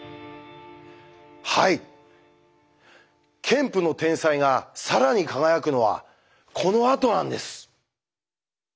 ケンプの天才が更に輝くのはこのあとなんです。